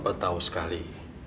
papa tahu sekali